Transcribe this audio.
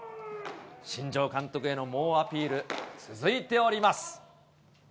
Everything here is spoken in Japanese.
新庄監督への猛アピール、続いております。